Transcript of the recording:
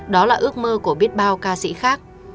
đó là ước mơ của biết bao ca sĩ khác